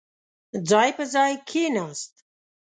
ځای پر ځاې کېناست.